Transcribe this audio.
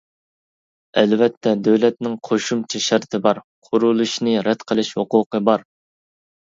ئەلۋەتتە، دۆلەتنىڭ قوشۇمچە شەرتى بار قۇرۇلۇشنى رەت قىلىش ھوقۇقى بار.